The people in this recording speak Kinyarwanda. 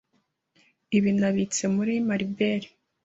Ibi nabitse muri Maribelle